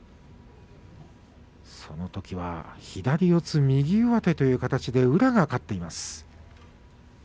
そのときは左四つ右上手という形で宇良が勝っています。